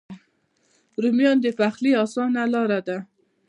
رومیان د پخلي آسانه لاره ده